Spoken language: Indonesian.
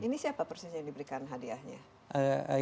ini siapa persis yang diberikan hadiahnya